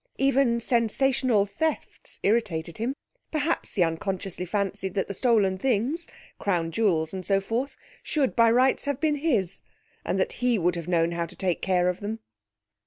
Even sensational thefts irritated him; perhaps he unconsciously fancied that the stolen things (Crown jewels, and so forth) should by rights have been his, and that he would have known how to take care of them.